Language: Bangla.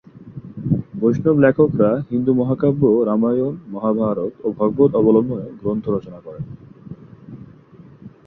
বৈষ্ণব লেখকেরা হিন্দু মহাকাব্য রামায়ণ, মহাভারত ও ভাগবত অবলম্বনে গ্রন্থ রচনা করেন।